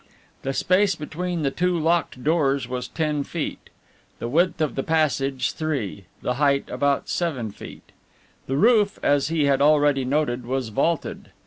The space between the two locked doors was ten feet, the width of the passage three, the height about seven feet. The roof, as he had already noted, was vaulted.